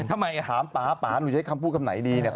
น้องป้าป้าหนูใช้คำพูดคำไหนดี